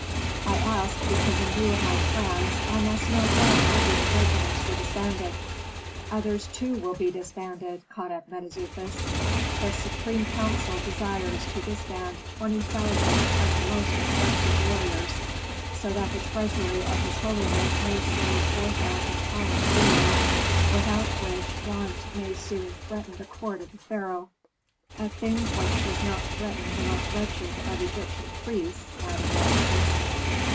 "I ask because in view of my plans I must know why the Libyan regiments were disbanded." "Others too will be disbanded," caught up Mentezufis. "The supreme council desires to disband twenty thousand of the most expensive warriors, so that the treasury of his holiness may save four thousand talents yearly, without which want may soon threaten the court of the pharaoh." "A thing which does not threaten the most wretched of Egyptian priests," added Rameses.